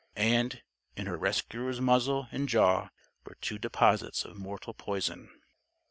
And, in her rescuer's muzzle and jaw were two deposits of mortal poison.